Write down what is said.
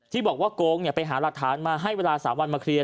ที่บอกว่าโกงไปหาหลักฐานมาให้เวลา๓วันมาเคลียร์